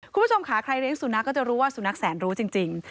คุณผู้ชมค่ะใครเลี้ยงสุนัขก็จะรู้ว่าสุนัขแสนรู้จริง